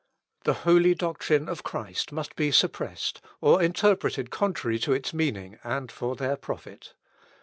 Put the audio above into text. The holy doctrine of Christ must be suppressed, or interpreted contrary to its meaning, and for their profit.